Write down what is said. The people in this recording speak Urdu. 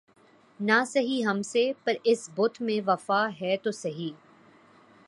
نہ سہی ہم سے‘ پر اس بت میں وفا ہے تو سہی